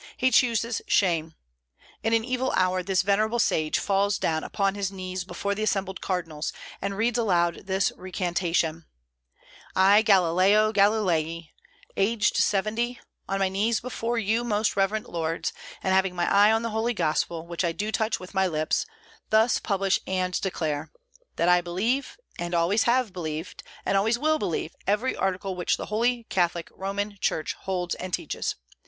He chooses shame. In an evil hour this venerable sage falls down upon his knees before the assembled cardinals, and reads aloud this recantation: "I, Galileo Galilei, aged seventy, on my knees before you most reverend lords, and having my eye on the Holy Gospel, which I do touch with my lips, thus publish and declare, that I believe, and always have believed, and always will believe every article which the Holy Catholic Roman Church holds and teaches.